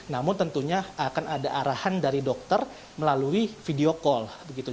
namun tentunya akan ada arahan dari dokter melalui video call